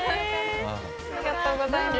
ありがとうございます。